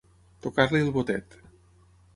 Tocar-li el botet.